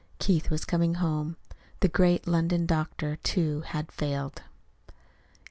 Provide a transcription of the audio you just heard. Keith was coming home. The great London doctor, too, had failed.